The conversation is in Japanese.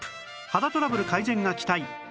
肌トラブル改善が期待おお！